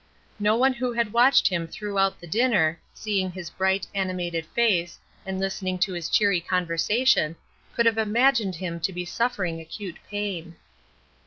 No one who had watched him throughout the dinner, seeing his bright, animated face, and listening to his cheery conversation, could have imagined him to be suffering acute pain.